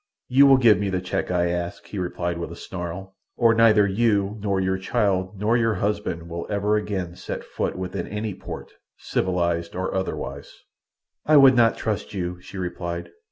"You will give me the cheque I ask," he replied with a snarl, "or neither you nor your child nor your husband will ever again set foot within any port, civilized or otherwise." "I would not trust you," she replied.